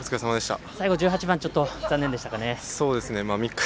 最後１８番ちょっと残念でしたかね。